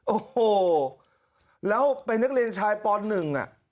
โอ้โหแล้วไปนักเรียนชายปลอดหนึ่ง